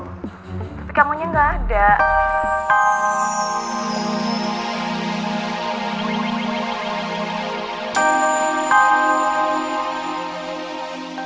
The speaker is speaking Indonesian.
tapi kamu nya gak ada